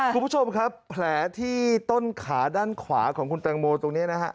คุณผู้ชมครับแผลที่ต้นขาด้านขวาของคุณแตงโมตรงนี้นะฮะ